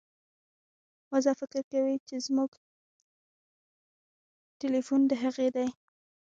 وزه فکر کوي چې زموږ ټیلیفون د هغې دی.